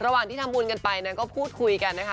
ระหว่างที่ทำบุญกันไปนางก็พูดคุยกันนะคะ